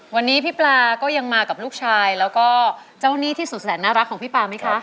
วันนี้พี่ปลาก็ยังมากับลูกชายแล้วก็เจ้าหนี้ที่สุดแสนน่ารักของพี่ปลาไหมคะ